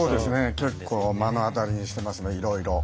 結構目の当たりにしてますねいろいろ。